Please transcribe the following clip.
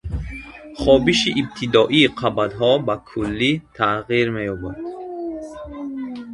Хобиши ибтидоии қабатҳо ба куллӣ тағйир меёбад.